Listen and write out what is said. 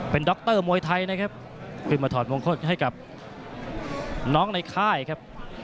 เป็นดรมวยไทยนะครับขึ้นมาถอดมงคลให้กับน้องในค่ายครับ